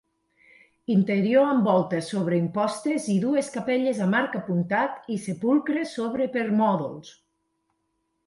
Interior amb volta sobre impostes i dues capelles amb arc apuntat i sepulcre sobre permòdols.